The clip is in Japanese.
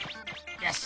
よし。